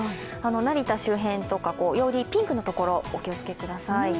成田周辺とか、よりピンクのところはお気をつけください。